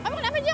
kamu kenapa jok